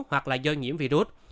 hoặc là do nhiễm virus